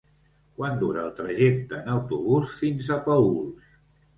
Quant dura el trajecte en autobús fins a Paüls?